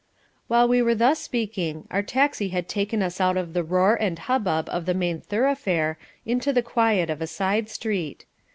'" While we were thus speaking our taxi had taken us out of the roar and hubbub of the main thoroughfare into the quiet of a side street.